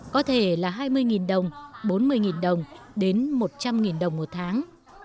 có thể là hai mươi đồng bốn mươi đồng đến một trăm linh đồng một tháng